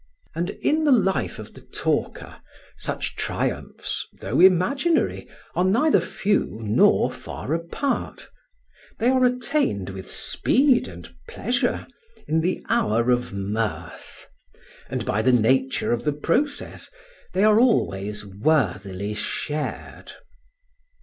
And in the life of the talker such triumphs, though imaginary, are neither few nor far apart; they are attained with speed and pleasure, in the hour of mirth; and by the nature of the process, they are always worthily shared.